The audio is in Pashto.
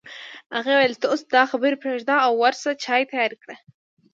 هغې وویل ته اوس دا خبرې پرېږده او ورشه چای تيار کړه